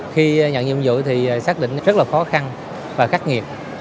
khi nhận nhiệm vụ thì xác định rất là khó khăn và khắc nghiệt